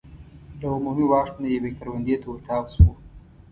له عمومي واټ نه یوې کروندې ته ور تاو شو.